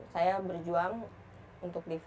saya berjuang untuk diva